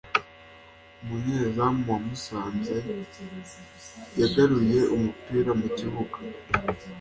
umunyezamu wa Musanze yagaruye umupira mu kibuga